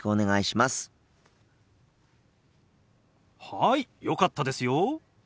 はいよかったですよ。